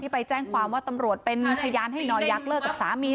ไปแจ้งความว่าตำรวจเป็นพยานให้นอยักษเลิกกับสามี